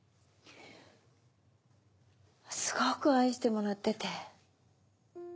すごく愛してもらってて。